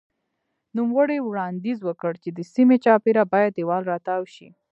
نوموړي وړاندیز وکړ چې د سیمې چاپېره باید دېوال راتاو شي.